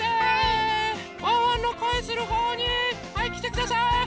ワンワンのこえするほうにはいきてください！